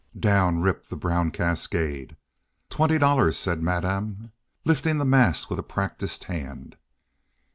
Down rippled the brown cascade. "Twenty dollars," said Madame, lifting the mass with a practised hand.